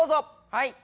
はい。